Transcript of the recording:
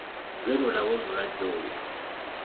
Genda olabe omulwadde oyo.